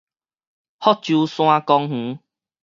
福州山公園